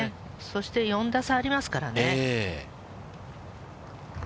そして４打差ありますからね。